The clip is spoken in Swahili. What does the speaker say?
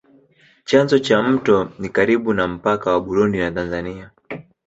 Chanzo cha mto ni karibu na mpaka wa Burundi na Tanzania.